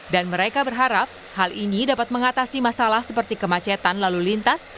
dan mereka berharap hal ini dapat mengatasi masalah seperti kemacetan lalu lintas